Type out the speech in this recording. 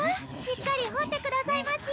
しっかり掘ってくださいまし。